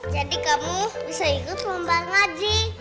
jadi kamu bisa ikut lombang aci